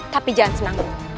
tapi jangan senang